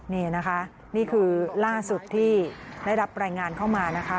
นี่นะคะนี่คือล่าสุดที่ได้รับรายงานเข้ามานะคะ